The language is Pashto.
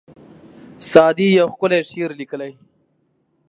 سعدي یو ښکلی شعر لیکلی دی.